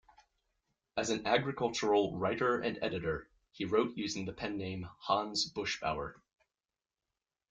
As an agricultural writer and editor, he wrote using the pen name "Hans Buschbauer".